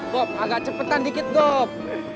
gop agak cepetan dikit gop